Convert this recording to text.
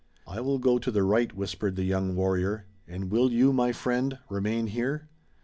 "I will go to the right," whispered the young warrior, "and will you, my friend, remain here?"